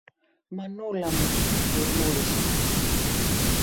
Μανούλα μου. μουρμούρισε.